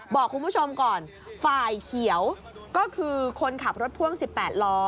บอกคุณผู้ชมก่อนฝ่ายเขียวก็คือคนขับรถพ่วง๑๘ล้อ